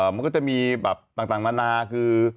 มันก็จะมีแบบต่างนานาคือ